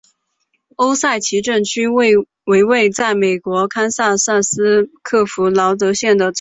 欧塞奇镇区为位在美国堪萨斯州克劳福德县的镇区。